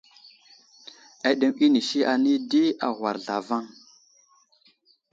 Aɗeŋw inisi anay di agwar zlavaŋ.